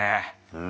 うん。